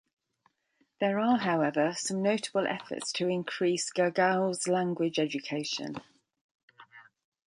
There are, however, some notable efforts to increase Gagauz language education.